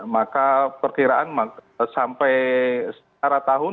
maka perkiraan sampai setara tahunan